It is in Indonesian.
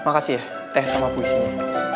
makasih ya teh sama puisinya